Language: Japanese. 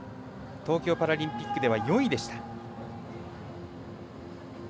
東京パラリンピックでは４位でした。